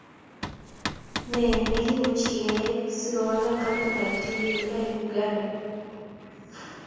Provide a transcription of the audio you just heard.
Ne nekimunche keiyai sikuwalak komatab tililindo en uganda